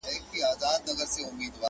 o څه توره تېره وه، څه انا ورسته وه٫